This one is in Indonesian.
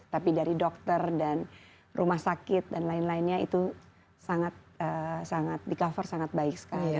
tapi dari dokter dan rumah sakit dan lain lainnya itu sangat di cover sangat baik sekali